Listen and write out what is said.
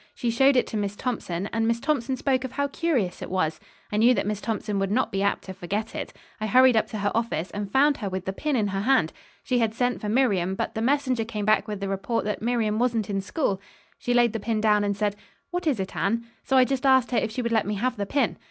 She showed it to Miss Thompson, and Miss Thompson spoke of how curious it was. I knew that Miss Thompson would not be apt to forget it. I hurried up to her office and found her with the pin in her hand. She had sent for Miriam, but the messenger came back with the report that Miriam wasn't in school. She laid the pin down and said, 'What is it, Anne?' So I just asked her if she would let me have the pin.